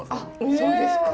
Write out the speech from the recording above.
そうですか。